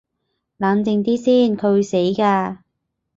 冷靜啲先，佢會死㗎